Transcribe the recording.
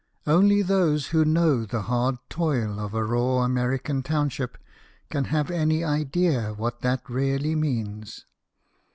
Only those who know the hard toil of a raw American township can have any idea what that really means.